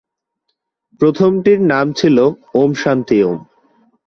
প্রথমটির নাম ছিল ওম শান্তি ওম।